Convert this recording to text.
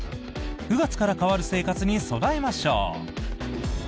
９月から変わる生活に備えましょう！